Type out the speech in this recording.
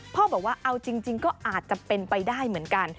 บอกว่าเอาจริงก็อาจจะเป็นไปได้เหมือนกัน